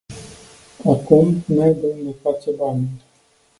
Acum, n-ai de unde face banul.